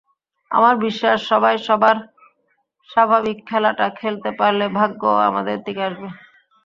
আমার বিশ্বাস, সবাই সবার স্বাভাবিক খেলাটা খেলতে পারলে ভাগ্যও আমাদের দিকে আসবে।